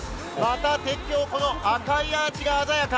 また鉄橋、赤いアーチが鮮やか。